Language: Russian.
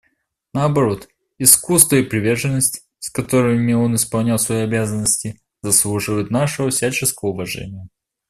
Наоборот, искусство и приверженность, с которыми он исполнял свои обязанности, заслуживают нашего всяческого уважения.